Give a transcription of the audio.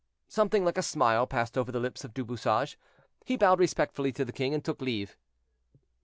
Something like a smile passed over the lips of Du Bouchage; he bowed respectfully to the king and took leave.